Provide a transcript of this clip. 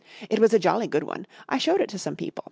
"It was a jolly good one. I showed it to some people.